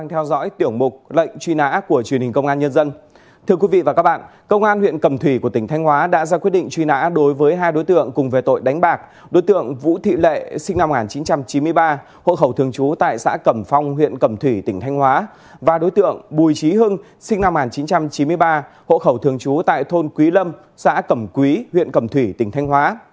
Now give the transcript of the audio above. hội khẩu thường trú tại thôn quý lâm xã cầm quý huyện cầm thủy tỉnh thanh hóa